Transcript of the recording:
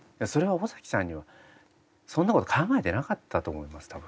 それは尾崎さんにはそんなこと考えてなかったと思います